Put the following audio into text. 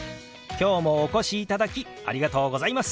今日もお越しいただきありがとうございます。